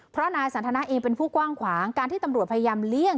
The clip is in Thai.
เพราะนายสันทนาเองเป็นผู้กว้างขวางการที่ตำรวจพยายามเลี่ยง